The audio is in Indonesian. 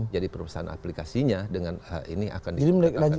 jadi perusahaan aplikasinya dengan ini akan diketentukan